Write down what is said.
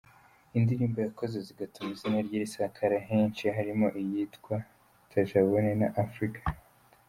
Indirimbo yakoze zigatuma izina rye risakara henshi, harimo iyitwa ‘Tajabone’ na ‘Africa’.